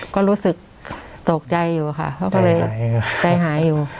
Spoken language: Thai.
ก็รู้สึกตกใจอยู่ค่ะเขาก็เลยใจหายอยู่